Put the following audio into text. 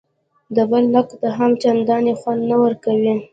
د بل نقد هم چندان خوند نه ورکوي.